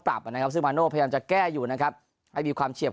นะครับซึ่งมาโน่พยายามจะแก้อยู่นะครับให้มีความเฉียบ